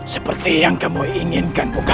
seperti yang kamu inginkan